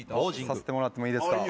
させてもらってもいいですか？